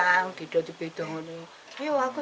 saya ingin menjelaskan kepadaku tapi saya tidak bisa